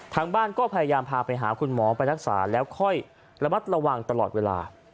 ทางบ้านก็พยายามพาไปหาคุณหมอไปรักษาแล้วค่อยระมัดระวังตลอดเวลา